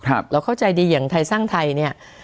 เราเข้าใจดีอย่างไทยสร้างไทยเนี่ย